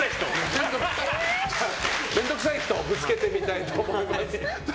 面倒くさい人ぶつけてみたいと思います。